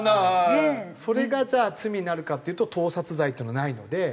それがじゃあ罪になるかっていうと盗撮罪というのはないので。